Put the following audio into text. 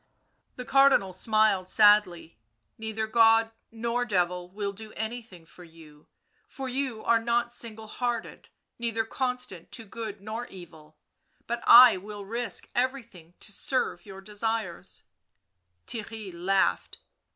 The Cardinal smiled sadly. " Neither God nor Devil will do anything for you, for you are not single hearted, neither constant to good nor evil ; but I— will risk everything to serve your desires/' Theirry laughed.